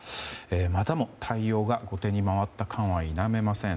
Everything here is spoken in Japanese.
またも対応が後手に回った感は否めません。